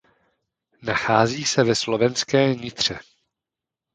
Nachází se ve slovenské Nitře.